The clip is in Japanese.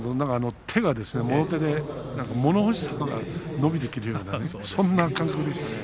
手がもろ手で物干しが伸びてくるようなそんな感じでしたね。